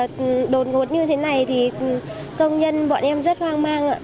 nếu nghỉ việc đột ngột như thế này thì công nhân bọn em rất hoang mang ạ